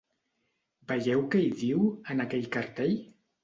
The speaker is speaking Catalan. Veieu què hi diu, en aquell cartell?